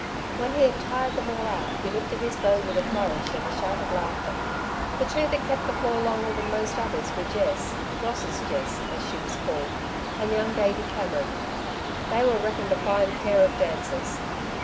When he had tired them all out, he lifted his bow with a flourish and a shout of laughter. The two that kept the floor longer than most others were Jess Ross's Jess, as she was called and young Davey Cameron. They were reckoned a fine pair of dancers.